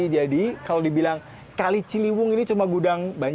jadi kalau dibilang kali ciliwung ini cuma gudang kaki